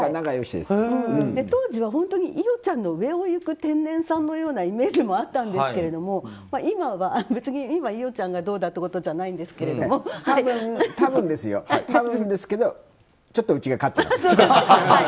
当時は本当に伊代ちゃんの上をいく天然さのようなイメージもあったんですが今は別に伊代ちゃんがどうだとかではないんですが。多分ですけどちょっと、うちが勝ってます。